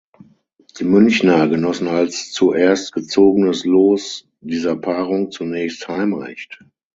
Die Münchner genossen als zuerst gezogenes Los dieser Paarung zunächst Heimrecht.